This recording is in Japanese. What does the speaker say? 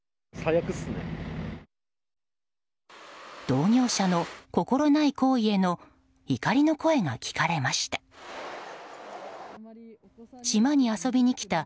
同業者の心ない行為への怒りの声が聞かれました。